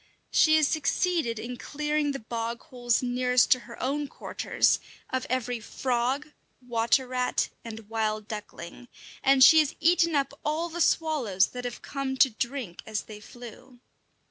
She has succeeded in clearing the bog holes nearest to her own quarters of every frog, water rat, and wild duckling; and she has eaten up all the swallows that have come to drink as they flew.